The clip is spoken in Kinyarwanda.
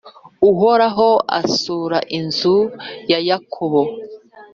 Uhoraho asura inzu ya Yakobo.